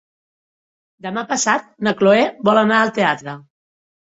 Demà passat na Chloé vol anar al teatre.